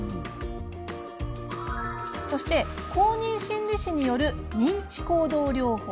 そして公認心理師による認知行動療法。